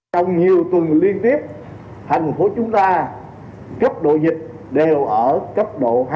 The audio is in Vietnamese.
trong nhiều tuần liên tiếp thành phố chúng ta cấp độ dịch đều ở cấp độ hai